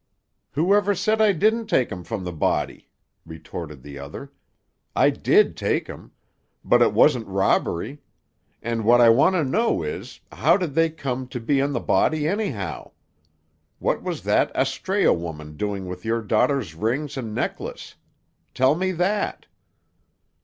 "Who ever said I didn't take 'em from the body?" retorted the other. "I did take 'em. But it wasn't robbery. And what I want to know is, how did they come to be on the body, anyhow? What was that Astræa woman doing with your daughter's rings and necklace? Tell me that!"